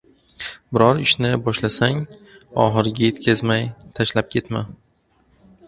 Biror ishni boshlasang, oxiriga yetkazmay tashlab ketma.